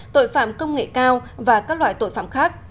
tội phạm công nghệ cao và các loại tội phạm khác